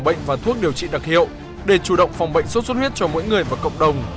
sốt suốt huyết là một thuốc điều trị đặc hiệu để chủ động phòng bệnh sốt suốt huyết cho mỗi người và cộng đồng